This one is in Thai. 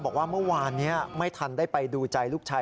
บอกว่าเมื่อวานนี้ไม่ทันได้ไปดูใจลูกชาย